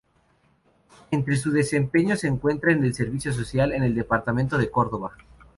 Entre su desempeño se encuentra en el servicio social en el departamento de Córdoba.